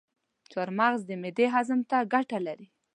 چارمغز د معدې هاضمي ته ګټه لري.